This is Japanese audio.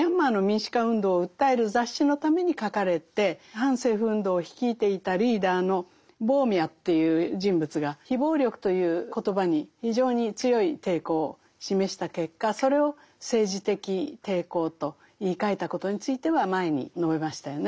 反政府運動を率いていたリーダーのボーミャという人物が「非暴力」という言葉に非常に強い抵抗を示した結果それを「政治的抵抗」と言いかえたことについては前に述べましたよね。